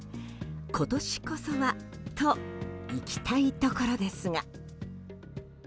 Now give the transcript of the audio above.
今年こそはといきたいところですが。